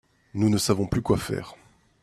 Nous ne savons plus quoi faire.